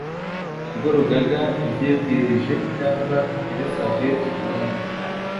rw urugaga ibyibwirije cyangwa ibisabwe n undi